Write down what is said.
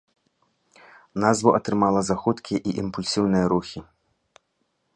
Назву атрымала за хуткія і імпульсіўныя рухі.